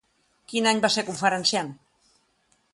Quin any va ser conferenciant?